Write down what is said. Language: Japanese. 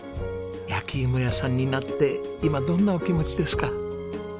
焼き芋屋さんになって今どんなお気持ちですか？